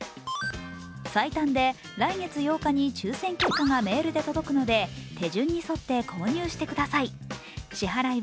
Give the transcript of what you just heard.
最短で来月８日に抽選結果がメールで届くので手順に沿って購入してください。